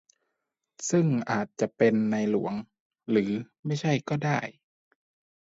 ซึ่งอาจจะเป็นในหลวง หรือไม่ใช่ก็ได้